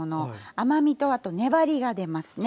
甘みとあと粘りが出ますね。